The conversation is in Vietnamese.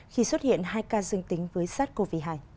khi xuất hiện hai ca dương tính với sars cov hai